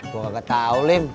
gua ga tau lim